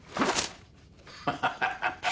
ハハハハ。